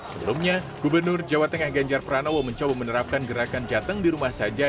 sebelumnya gubernur jawa tengah ganjar pranowo mencoba menerapkan gerakan jateng di rumah saja